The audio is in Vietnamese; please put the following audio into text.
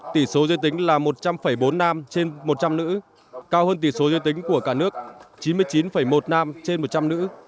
tỷ số dư tính là một trăm linh bốn nam trên một trăm linh nữ cao hơn tỷ số dư tính của cả nước chín mươi chín một nam trên một trăm linh nữ